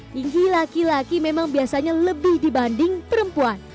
tinggi laki laki memang biasanya lebih dibanding perempuan